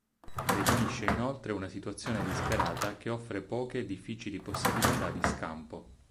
Definisce inoltre una situazione disperata che offre poche e difficili possibilità di scampo.